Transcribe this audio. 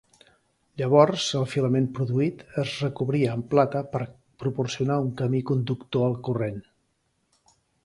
Llavors el filament produït, es recobria amb plata per proporcionar un camí conductor al corrent.